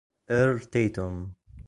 Earl Tatum